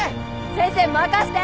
先生任せて！